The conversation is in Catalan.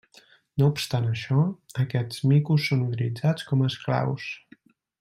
No obstant això, aquests micos són utilitzats com esclaus.